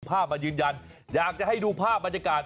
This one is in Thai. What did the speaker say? มายืนยันอยากจะให้ดูภาพบรรยากาศ